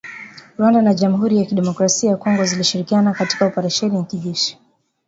Rwanda na Jamhuri ya kidemokrasia ya Kongo zilishirikiana katika oparesheni ya kijeshi